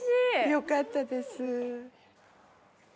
よかったです。